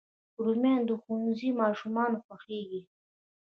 رومیان د ښوونځي ماشومانو خوښېږي